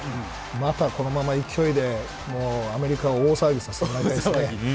あとは、このまま勢いでアメリカを大騒ぎさせてもらいたいですね。